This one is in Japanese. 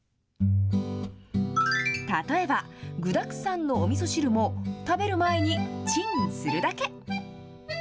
例えば、具だくさんのおみそ汁も、食べる前にチンするだけ。